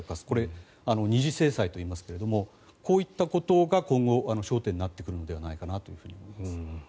これ、二次制裁といいますがこういったことが今後、焦点になってくるのではないかと思います。